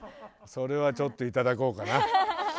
それはちょっといただこうかな。